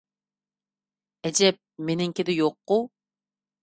ئەجەب مېنىڭكىدە يوققۇ؟